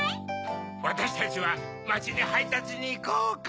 わたしたちはまちにはいたつにいこうか！